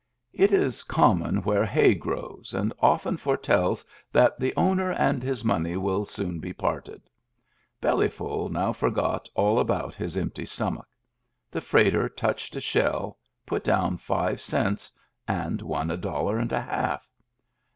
It is common where hay grows, and often foretells that the owner and his money will soon be parted. Belly ful now forgot all about his empty stomach. The freighter touched a shell, put down five cents, and won a dollar and a half.